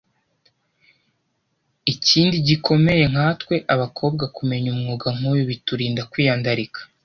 Ikindi gikomeye nkatwe abakobwa kumenya umwuga nk’uyu biturinda kwiyandarika